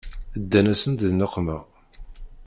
Ddan-asent di nneqma.